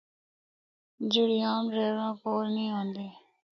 جِڑّی عام ڈریوراں کول نیں ہوندی۔